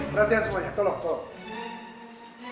perhatikan semuanya tolong paul